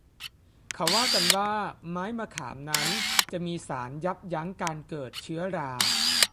เขาว่ากันว่าไม้มะขามนั้นจะมีสารยับยั้งการเกิดเชื้อรา